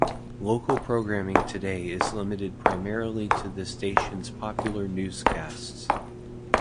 Local programming today is limited primarily to the station's popular newscasts.